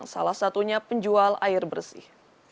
salah satunya penjual air bersih